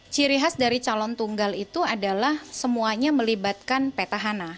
ciri khas dari calon tunggal itu adalah semuanya melibatkan petahana